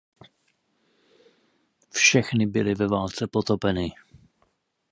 Všechny byly ve válce potopeny.